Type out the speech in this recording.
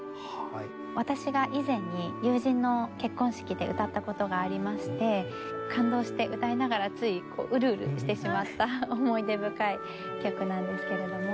私が以前に友人の結婚式で歌った事がありまして感動して歌いながらついうるうるしてしまった思い出深い曲なんですけれども。